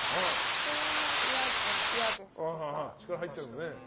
それも嫌ですね。